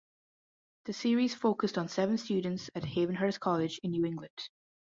The series focused on seven students at Havenhurst College in New England.